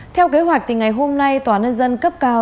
theo kế hoạch thì ngày hôm nay tòa nhân dân cấp cao